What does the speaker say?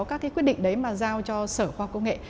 các cái quyết định đấy mà giao cho sở khoa công nghệ